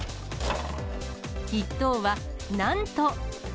１等はなんと。